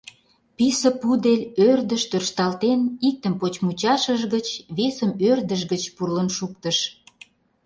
Писе пудель, ӧрдыш тӧршталтен, иктым поч мучашыже гыч, весым ӧрдыж гыч пурлын шуктыш.